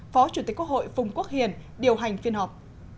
phó chủ tịch quốc hội phùng quốc hiền điều hành phiên họp